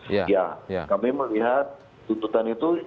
ya kami melihat tuntutan itu